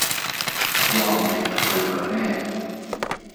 話唔定係佢呢